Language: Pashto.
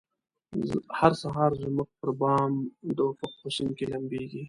هر سهار زموږ پربام د افق په سیند کې لمبیږې